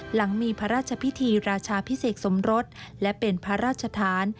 หลังมีพระราชพิธีราชาพิเศษสมรสและเป็นพระราชทาน